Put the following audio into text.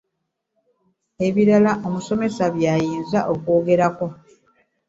Ebirala omusomesa by’ayinza okwongerezaako.